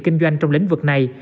kinh doanh trong lĩnh vực này